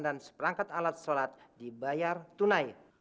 dan seperangkat alat sholat dibayar tunai